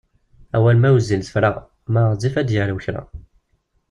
Awal ma wezzil tefra, ma ɣezzif ad d-yarew kra.